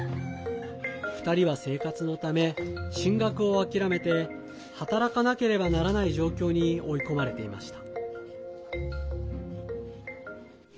２人は生活のため、進学を諦めて働かなければならない状況に追い込まれていました。